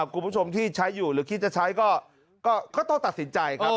คุณผู้ชมที่ใช้อยู่หรือคิดจะใช้ก็ต้องตัดสินใจครับ